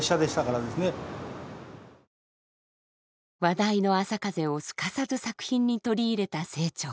話題のあさかぜをすかさず作品に取り入れた清張。